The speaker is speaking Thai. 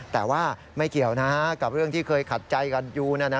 แต่ว่าไม่เกี่ยวนะกับเรื่องที่เคยขัดใจกันอยู่